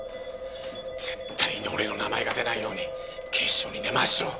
絶対に俺の名前が出ないように警視庁に根回ししろ。